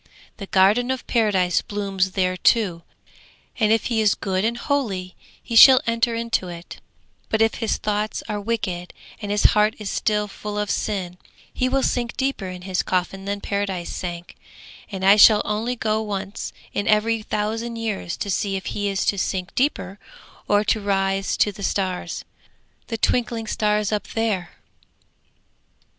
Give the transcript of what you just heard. The Garden of Paradise blooms there too, and if he is good and holy he shall enter into it; but if his thoughts are wicked and his heart still full of sin, he will sink deeper in his coffin than Paradise sank, and I shall only go once in every thousand years to see if he is to sink deeper or to rise to the stars, the twinkling stars up there.'